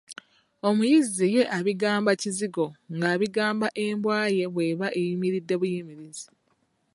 Omuyizzi ye abyogera ku kizigo ng’abigamba embwa ye bw’eba eyimiridde buyimirizi.